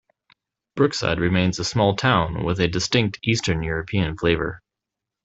Brookside remains a small town with a distinct Eastern European flavor.